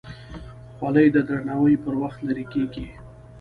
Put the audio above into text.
خولۍ د درناوي پر وخت لرې کېږي.